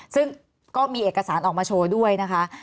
ซึ่งก็มีเอกสารออกมาโชว์ด้วยนะคะ